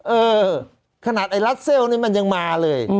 เออขนาดไอลัตเซลล์อันนี้มันยังมาเลย